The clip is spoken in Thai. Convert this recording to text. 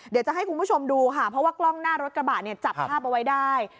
เดี๋ยวจะให้คุณผู้ชมดูค่ะเพราะว่ากล้องหน้ารถกระบะเนี่ยจับภาพเอาไว้ได้